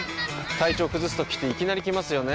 体調崩すときっていきなり来ますよね。